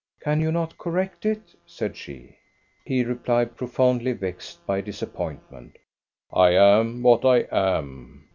"Can you not correct it?" said she. He replied, profoundly vexed by disappointment: "I am what I am.